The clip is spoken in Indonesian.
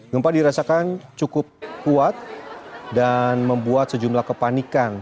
gempa dirasakan cukup kuat dan membuat sejumlah kepanikan